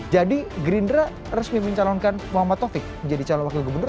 jadi grinder resmi mencalonkan muhammad taufik menjadi calon wakil gubernur